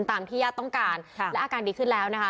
ตามที่ญาติต้องการและอาการดีขึ้นแล้วนะคะ